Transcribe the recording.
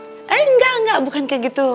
eh enggak enggak bukan kayak gitu